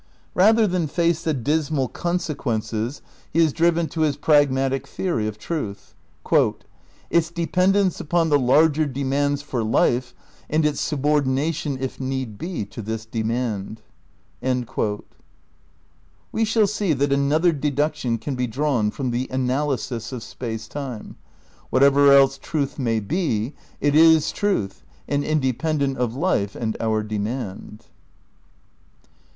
Rather than face the dismal conse quences he is driven to his pragmatic theory of truth : "its dependence upon the larger demands for life, and its sub ordination, if need be, to this demand." We shall see that another deduction can be drawn from the analysis of space time: whatever else truth may be, it is truth and independent of life and our demand.